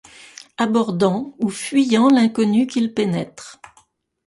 Abordant ou fuyant l’inconnu qu’il pénètre